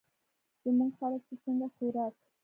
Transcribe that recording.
زمونږ خلک چې څنګه خوراک